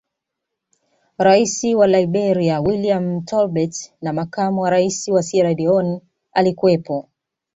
Rais wa Liberia William Tolbert na makamu wa Rais wa sierra Leone alikuwepo